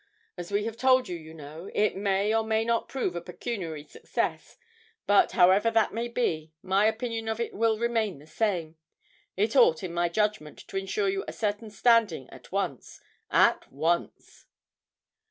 As we told you, you know, it may or may not prove a pecuniary success, but, however that may be, my opinion of it will remain the same; it ought, in my judgment, to ensure you a certain standing at once at once.'